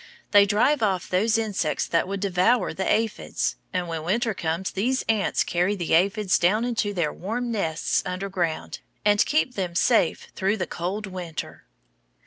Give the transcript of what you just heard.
They drive off those insects that would devour the aphids, and when winter comes these ants carry the aphids down into their warm nests under ground, and keep them safe through the cold weather.